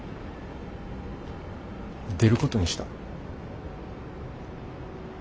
出ることにした。